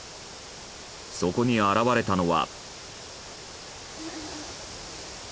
そこに現れたのは。